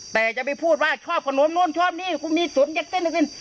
แต่จะไปพูดว่าชอบขนมนู้นชอบนี่มีสนอยากเต้น